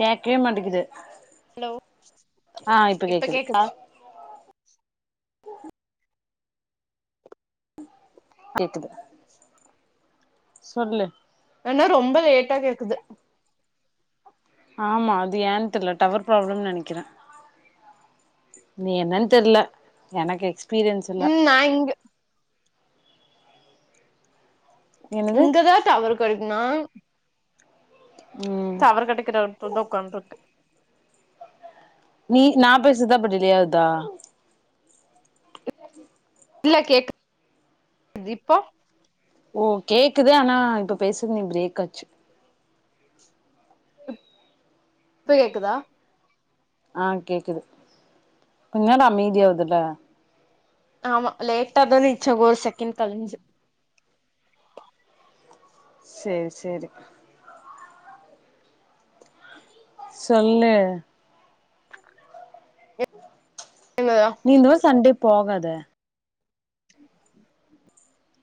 கேக்கவே மாட்டேக்குது ஹலோ ஆ இப்ப கேக்குது கேக்குதா கேக்குது சொல்லு ஆனா ரொம்போ லேட்டா கேக்குது ஆமா அது ஏன்னு தெர்ல டவரு ப்ராப்ளம்ன்னு நெனைக்கிறே நீ என்னன்னு தெர்ல எனக்கு எக்ஸ்பீரியன்ஸ் இல்ல ம் நா இங்க என்னது இங்கதா டவறு கெடைக்குனா ம் டவரு கெடைக்குற எடத்துலதா ஒக்கான்ட்ருக்கே நீ நா பேசுதா இப்ப டிலே ஆகுதா இல்ல கேக் து இப்போ ஓ கேக்குது ஆனா இப்ப பேசுறது நீ பிரேக் ஆச்சு இப்ப கேக்குதா ஆ கேக்குது கொஞ்ச நேரோ அமைதியாகுதுல ஆமா லேட்டாதா இச்சங்கு ஒரு செகண்ட் கலுஞ்சு செரி செரி சொல்லு இங்கதா நீ இந்ததடவ சண்டே போகாத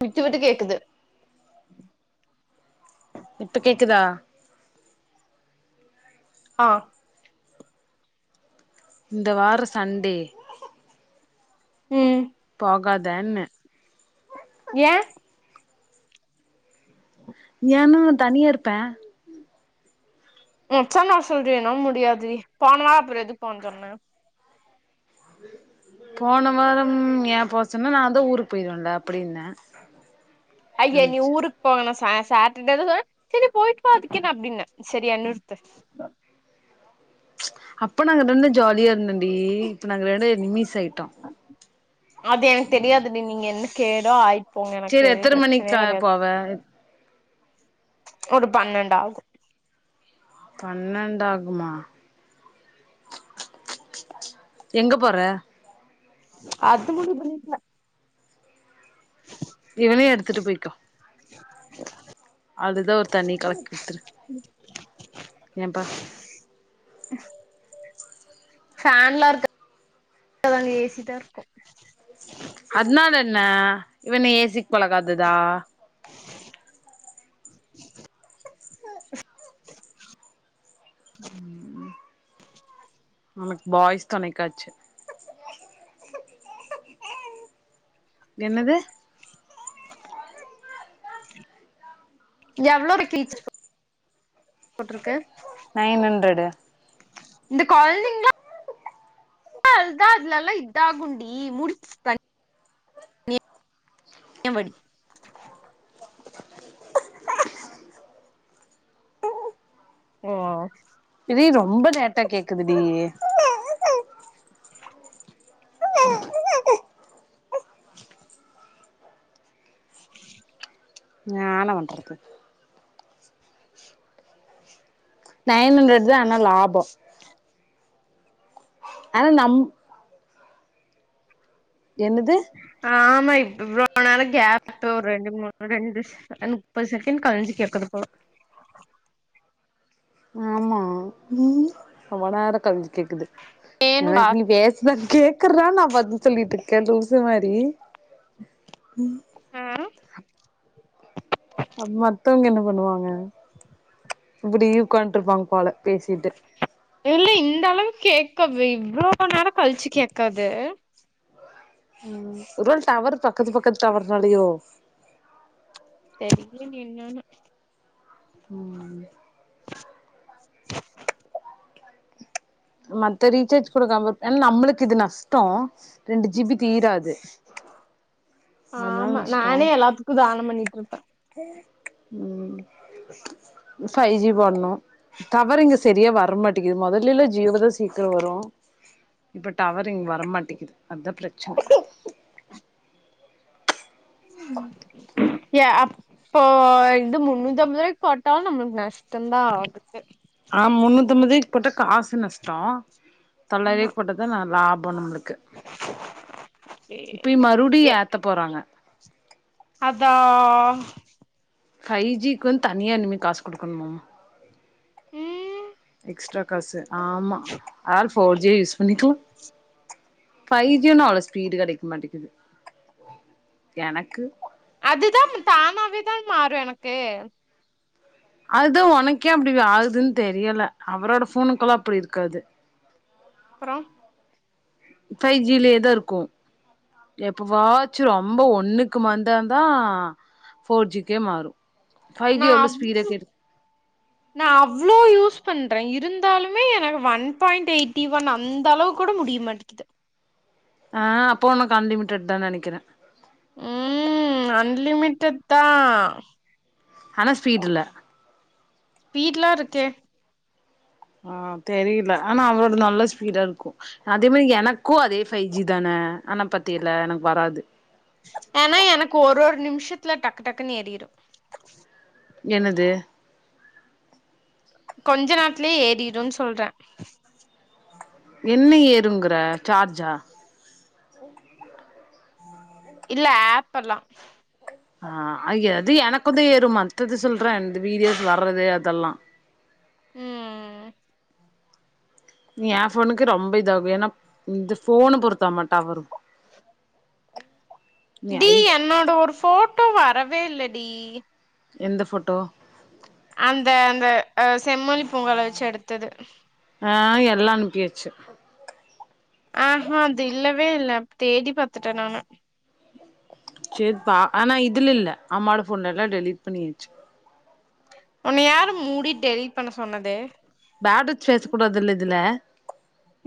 விட்டு விட்டு கேக்குது இப்ப கேக்குதா அ இந்த வாரோ சண்டே ம் போகாத ன்னே ஏ ஏனா நா தனியா இருப்பேன் உச்சன்னா சொல்து என்னோ முடியாது டி போன வாரோ அப்புற எதுக்கு போனு சொன்னே போன வாரம் ஏன் போசோன்னா நான்தா ஊருக்கு போயிருவன்ல அப்டின்னே ஐய்ய நீ ஊருக் போணுனா ச சாட்டர்டே சொன்ன சரி போயிட்டுவா அதுகேன்ன அப்டின்ன சரியா நிறுத்து அப்ப நாங்க ரெண்டு பேருமே ஜாலியா இருந்தன்டி இப்ப நாங்க ரெண்டு நிமிஸ் ஆயிட்டோம் அது எனக் தெரியாது டி நீங்க என்ன கேடோ ஆய் போங்க எனக்கு எதும் ப்ரச்சனையே கெடையாது பாய் ஒரு பன்னெண்ட் ஆவ்து பன்னெண்டு ஆகுமா எங்க போற அது முடிவ் பண்ணிக்லா இதுலயே எடுத்துட்டு போய்க்கோ அதுதா ஒரு தண்ணி கலக்குத்துரு ஏன்ப்பா பேன்லாம் இருக்கா ஏ சி தா இருக்கும் அத்னால என்ன இவ என்ன ஏ சிக்கு பழகாதுதா உனக்கு பாய்ஸ் தொணைக்காச்சு என்னது எவ்ளோ ரு கீழிச்சு போட்ருக்கு நைன் ஹண்ட்ரட் இந்த கொழந்திங்ளா ஆ அதா அதுலல்லா இதா குண்டி மூடிக் என்வடி ஓ இதி ரொம்ப லேட்டா கேக்குதுடி ஞ என்ன பண்றது நைன் ஹண்ட்ரட் தா ஆனா லாபோ ஆனா நம் என்னுது ஆமா இப்பவ்வோனாலும் கேப் ரெண்டு மூணு ரெண்டு அ முப்பது செகண்ட் கழிஞ்சு கேக்குது போ ஆமா ம் அவ்வ நேர கழ்ஞ்சி கேக்குது வேணுக்கா எனக்கு நீ வேச தா நான் கேக்குறா நா பதில் சொல்லிட்டு இருக்கேன் லூசு மாரி ம் மத்தவங்க என்ன பண்ணுவாங்க இப்டி உக்காண்ட்டு இருப்பாங்க போல பேசிட்டு இல்ல இந்த அளவுக்கு கேக்க இவ்ளோ நேரம் கழிச்சு கேக்காது ம் ஒரு வேல டவர் பக்கத்து பக்கத்து டவர் நாலயோ தெரியலாங்க என்னனு ம் மத்த ரீசார்ஜ் குட கம்ப ஏனா நம்ளுக்கு இது நஷ்ட்டோ ரெண்டு ஜீ பி தீராது அதனால ஆமா நஷ்டோ நானே எல்லாத்துக்கு தான பண்ணிட்ருப்பே ம் ஃபை ஜி பண்ணு டவறு இங்க செரியா வரமாட்டேங்கிது மொதலெல்லா ஜியோ இதுல சீக்ரோ வரு இப்ப டவர் இங்க வரமாட்டேக்கிது அதா பிரச்சன யா அப் இப்போ இது முன்னூத்தம்பதுருவாய்க்கு போட்டாலு நம்ளுக்கு நஷ்ட்ட தா ஆகுது ஆ முன்னூத்தம்பதுக் போட்டா காசு நஷ்ட்டோ ஆமா தொள்ளாயிர்வாய்க்கு போட்டா தா லாப நம்ளுக்கு இப்பயு சேரி மறுபடியு ஏ ஏத்த போறாங்க அதா ஃபைவ் ஜீக்கு வந்து தனியா இனிமே காசு குடுக்கணுமா ம் எக்ஸ்ட்ரா காசு ஆமா ஆ போர் ஜிய யூஸ் பண்ணிக்கோ ஃபை ஜி ஒன்னு அவ்ளோ ஸ்பீடு கெடைக்க மாட்டேக்குது எனக்கு அதுதா தானாவே தா மாறு எனக்கு அதுதா ஒனக்கு ஏ அப்டி ஆகுதுன் தெரியல அவரோட ஃபோனுக்குலா அப்டி இருக்காது அப்றோ ஃபை ஜிலே தா இருக்கு எப்ப வாச்சு ரொம்ப ஒன்னுக்கு வந்தா தா ஃபோர் ஜிக்கே மாறு ஃபைவ் ஜி நா எவ்ளோ அவ் ஸ்பீடா கேட்டு நா அவ்ளோ யூஸ் பண்றே இருந்தாலுமே எனக்கு ஒன் பாயிண்ட் எயிட் ஈவன் அந்த அளவுக் கூட முடிய மாட்டிக்கிது ஆ அப்போ ஒனக்கு அன்லிமிட்டட் தா நெனைக்கிறே ம் அன்லிமிட்டட் தா ஆனா ஸ்பீட் இல்ல பீட்லா இருக்கே ஆ தெரில ஆனா அவரோடது நல்லா ஸ்பீடா இருக்கு அதே மாரி எனக்கு அதே ஃபை ஜி தானே ஆனா பாத்திலா எனக்கு வராது ஏனா எனக்கு ஒரு ஒரு நிமிஷத்துல டக்கு டக்குன் ஏறிடு என்னது கொஞ்ச நேரத்லே ஏறிடுன் சொல்றே என்ன ஏறுங்கற ஜார்ஜா இல்ல ஆப்பெல்லா ஆ ஐய்ய அது எனக்கு தா ஏறு மத்தது சொல்றே இந்த வீடியோஸ் வறது அதெல்லா ம் ஏ ஃபோனுக்கு ரொம்ப இதாகு ஏனா இந்த ஃபோனு பொருத்தாமா டவரு நீ டீ ஐஃப் என்னோட ஒரு போட்டோ வரவே இல்ல டி எந்த ஃபோட்டோ அந்த அந்த அ செம்மொழி பூங்கால வச்சி எடுத்தது ஆ எல்லா அனுப்பியாச்சு ஆஹ அது இல்லவே இல்ல தேடி பாத்துட்டே நானு சேர் பா ஆன இதுல இல்ல அம்மாவோட ஃபோன்லலா டெலீட் பண்ணியாச்சு உன்ன யாரு மூடி டெலிட் பண்ண சொன்னது போட்வேட்ஸ் பேஸ் கூடவா தெர்ல இதுல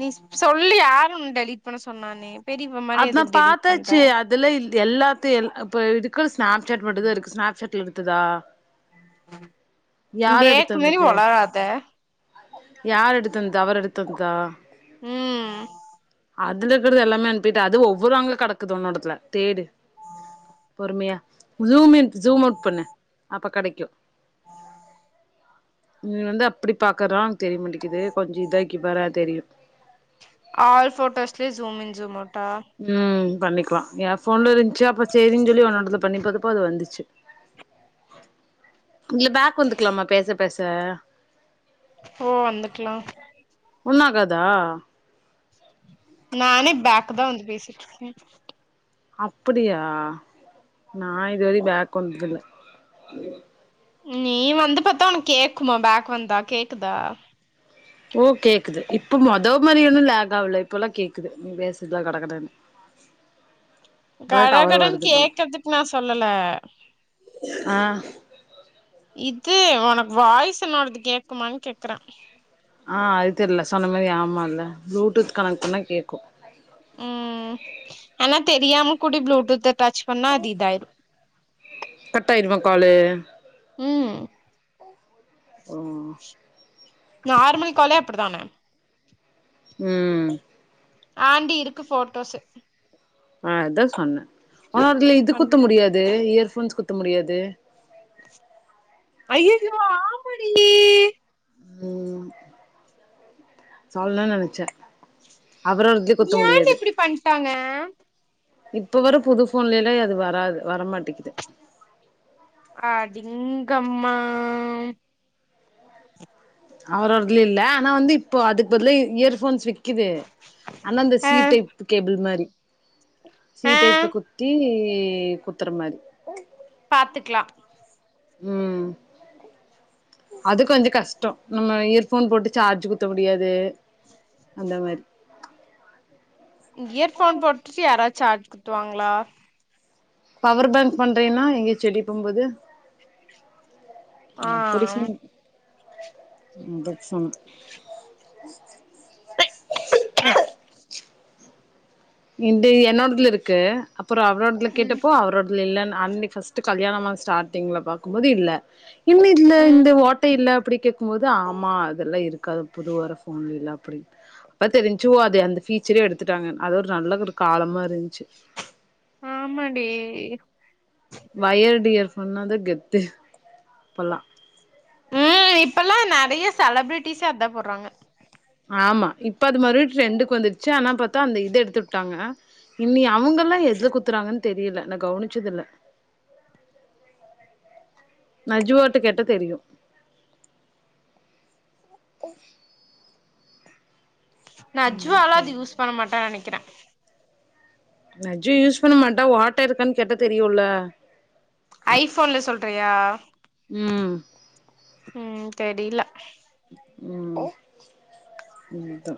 நீ சொல்லு யாரு உன் டெலீட் பண்ண சொன்னானே பெரியிவ மாரி எதுக்கு டெலிட் பண்ற இதுல எல்லாத்தியு எல் அப்ப இதுக்கு ஸ்நாப்சாட் மட்டு தா இருக்கு ஸ்நாப்சாட்ல எடுத்ததா யார் எடுத் பேக்கு மாரி தந்தது ஒளராத யார் எடுத்தந்தது அவர் எடுத்து தந்தா ம் அதுல இருக்கறிது எல்லாமே அனுப்பிட்ட அது ஒவ்வொருவங்களு கிடக்குது ஒன்னோடதுல தேடு பொறுமையா ஜூம் இன் ஜூம் அவுட் பண்ண அப்ப கெடைக்கு நீ வந்து அப்பிடி பாக்குறானால உனுக்கு தெரிய மாட்டேக்கிது கொஞ்சோ இதாக்கி பாரே தெரியு ஆல்ஃபோட்டோஸ்லே ஜூம் இன் ஜூம் அவுட்டா ம் பண்ணிக்கலா ஏன் போன்ல இருந்துச்சு அப்றோ செரின் சொல்லி ஒன்ன எடத்து பண்ணி போதுப்போ அது வந்துச்சு பேக் இதுல வந்துக்கலாமா பேச பேஸ் ச ஓ வந்துக்லா ஒன்னு ஆகாதா நானே பேக்கு தா வந்து பேசிட்டுருக்கே அப்படியா நா இதுவரையு பேக் வந்ததுல்ல நீ வந்து பாத்தா உனக்கு கேக்குமா பேக் வந்தா கேக்குதா ஓ கேக்குது இப்ப மொத மாறியொன்னு லேகாவல இப்பல்லா கேக்குது நீ பேசுத்து கடக்கடன்னு டவர் கடகடன் வருது போல கேக்கறதுக்கு நா சொல்லல ஆ இது உனக்கு வாய்ஸ் என்னோடது கேக்குமான் கேக்கறே ஆ அது தெர்ல சொன்ன மாரி ஆமா இல்ல ப்ளூடூத் கனெக்ட் பண்ணா கேக்கு ம் ஆனா தெரியாம கூடி ப்ளூடூத்த டச் பண்ணா அது இதாயிரும் கட்டாயிருமா காலு ம் உம் நார்மல் காலே அப்படிதானே ம் ஆண்டி இருக்கு போட்டோஸ்ஸு ஆ அத்தா சொன்னே ஆனா அதுல இது அன் குத்த முடியாது இயர்போன்ஸ் குத்த முடியாது ஐய்யையோ ஆமடி ம் சொல்னுன் நெனச்சே அப்பறோ இது குத்த ஏன்டி முடியாது இப்டி பண்ட்டாங்க இப்ப வர புது போன்லே எல்லா அது வராது வரமாட்டிக்கிது அடிங்கம்மா அவரோடதுல இல்ல ஆனா வந்து இப்போ அதுக்கு பதில்லா இயர்போன்ஸ் விக் குது ஆனா அந்த ஆ சீ டைப் கேபிள் மாரி சீ ஆ டைப்ல குத்தி குத்தற மாரி பாத்துக்லா ம் அது கொஞ்சோ கஷ்டோ நம்ம இயர்போன் போட்டு சார்ஜ் குத்த முடியாது அந்த மாரி இயர்ஃபோன் போட்டுட்டு யாராவது சார்ஜ் குத்துவாங்ளா பவர் பேங்க் பண்றீன்னா எங்கயாச்சு வெளியே போம்போது ஆ அப்டி சொல் ம் தட்ஸ் ஆல் இந்து என்னோடதுல இருக்கு அப்றோ அவரோடதுல ம் கேட்டப்போ அவரோட இல்ல இல்லன் அந்தி ஃப்ஸ்ட்டு கல்யாணமான ஸ்டாட்டிங்ல பாக்கும்போது இல்ல என்ன இதுல ம் இந்த ஓட்ட இல்ல அப்டி கேக் கும்போது ஆமா அதெல்லா இருக்காது புது வர ஃபோன்லலா அப்டினு அப்ப தா தெரிஞ்ச்சு ஓ அத அந்த ஃபீச்சரே எடுத்துட்டாங்க அது ஒரு நல்ல ஒரு காலமா இருந்ச்சு ஆமா டி வயர்டு இயர் ஃபோன்னா தா கெத்து அப்பல்லா ம் இப்பல்லா நறைய செலபிரிட்டிஸ்சே அதா போட்றாங்க ஆமா இப்ப அது மறுபடி ட்ரெண்டுக்கு வந்துடுச்சு ஆனா பாத்தா அந்த இது எடுத்து உட்டாங்க இன்னி அவங்கல்லா எது குத்துறாங்கன் தெரில நா கவனிச்சது இல்ல நஜூவாட்ட கேட்ட தெரியு நஜ்வாலா அது யூஸ் பண்ண மாட்டா நெனைக்கறே நஜூ யூஸ் பண்ண மாட்டா ஓட்ட இருக்கான் கேட்டா தெரியுல ஐ ஃபோன்ல சொல்றியா ம் ம் தெரில ம் இதா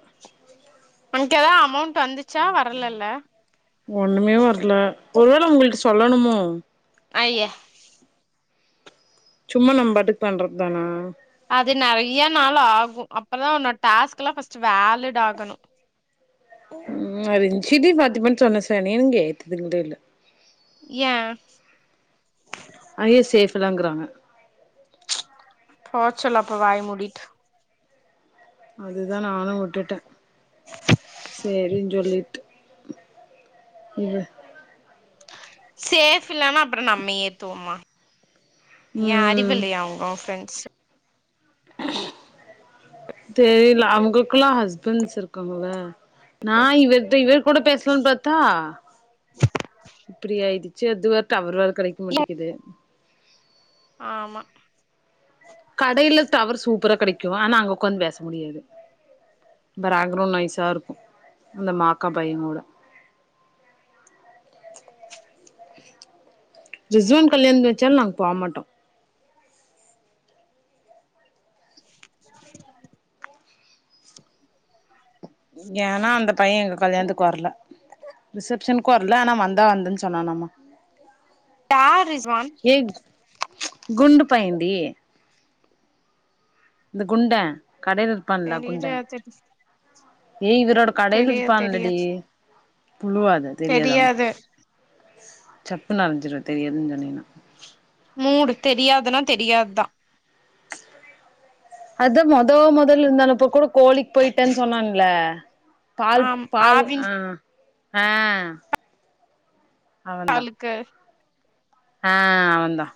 உனக்கு எதாது அமௌண்ட் வந்துச்சா வர்லல ஒன்னுமே வர்ல ஒருவேல அவுங்கள்கு சொல்லணுமோ அய்ய சும்மா நம் பாட்டுக்கு பண்றது தானா அது நறைய நாள் ஆகு அப்பதா உன்னோட டாஸ்க்கெல்லா ஃபர்ஸ்ட் வேலிட் ஆகணு ம் அது சிரி பாத்திபன் சொன்ன சார் நீங்க ஏத்துங்களே இல்ல ஏன் அயே சேஃபு தாங்குறாங்க போச்சொல்லு அப்ப வாய முடிட்டு அதுதா நானு உட்டுட்டே சேரின் சொல்லி இரு சேஃப் இல்லனா அப்றோ நம்ம ஏத்துவமா ஏ அறிவு வு ம் இல்லையா ஒன் ஃபிரெண்ட்ஸ் தெரில அவுங்குளுக்குலா ஹஸ்பண்ட்ஸ் இருக்காங்கள நா இவர்ட்ட இவரு கூட பேஸ்லன் பாத் தா இப்டி ஆயிடுச்சு அதுவா டவர் வேற கெடைக்க மாட்டிக்குது ஆமா கடைல டவர் சூப்பரா கெடைக்கு ஆனா அங்க உக்காந்து பேச முடியாது பேரக்ரவுண்ட் நைஸா இருக்கு அந்த மாக்கா பையனோட ரிஸ்வன் கல்யாணத் வச்சாலு நாங் போ மாட்டோ ஏனா அந்த பையன் எங்க கல்யாணத்துக்கு வர்ல ரிசெப்ஷனுக்கு வர்ல ஆனா வந்தா வந்தன் சொன்னா னாமா யார் ரிஸ்வான் ஏ குண்டு பையே டி இந்த குண்டே கடைல இருப்பான்ல குண்டே தெரியாது ஏ இவரோட கடைல தெரிய இருப்பாலடி தெரியாது புழுவாத தெரியாதாமா தெரியாது சப்புனு அரைஞ்சிடவேன் தெரியாதுன்னு சொன்னீன்னா மூடு தெரியாதுன்னா தெரியாதுதான் அது மொதோ மொதல்ல இருந்தல்ல இப்ப குடு கோழிக்கு போயிட்டேன்னு சொன்னான்ல பால் ஆம் பால் ஆவின் ஆ ஆ அவன்தா பாலுக்கு ஆ அவந்தான்